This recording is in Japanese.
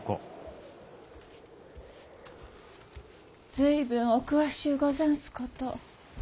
随分お詳しゅうござんすこと。